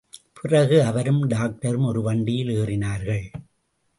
பிறகு, அவரும் டாக்டரும் ஒரு வண்டியில் ஏறினார்கள்.